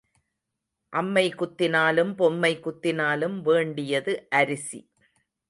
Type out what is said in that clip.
அம்மை குத்தினாலும் பொம்மை குத்தினாலும் வேண்டியது அரிசி.